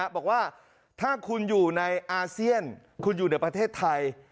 บอกว่าถ้าคุณอยู่ในอาเซียนคุณอยู่ในประเทศไทย